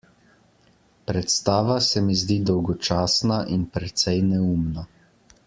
Predstava se mi zdi dolgočasna in precej neumna.